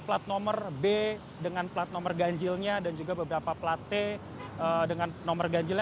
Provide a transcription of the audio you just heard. plat nomor b dengan plat nomor ganjilnya dan juga beberapa plat t dengan nomor ganjilnya